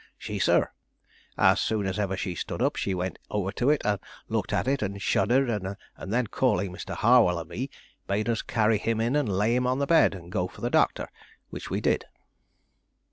"She, sir. As soon as ever she stood up she went over to it and looked at it and shuddered, and then calling Mr. Harwell and me, bade us carry him in and lay him on the bed and go for the doctor, which we did."